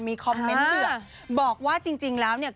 มีคอมเมนต์เดือดบอกว่าจริงแล้วเนี่ย